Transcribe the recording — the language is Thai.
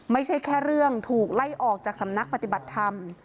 ไม่ใช่แค่เรื่องถูกไล่ออกจากสำนักปฏิบัติธรรม